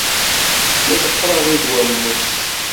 Yeḍfer-aɣ-id wammus.